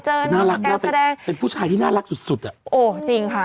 เฉยเดี๋ยวพูดอย่างนี้เดี๋ยวคนตกใจ